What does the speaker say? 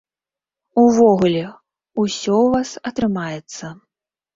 Увогуле, усё ў вас атрымаецца.